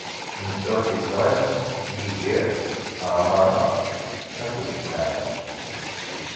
Mesɛud isɛa-d: Yidir, Amaṛa akked Smaɛil.